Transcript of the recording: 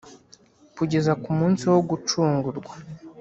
kugeza ku munsi wo gucungurwa.